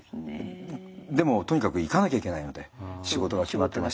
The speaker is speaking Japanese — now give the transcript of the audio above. でもとにかく行かなきゃいけないので仕事が決まってましたんで。